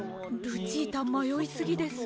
ルチータまよいすぎです。